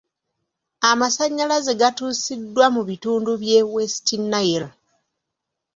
Amasannyalaze gatuusiddwa mu bitundu by'e West Nile.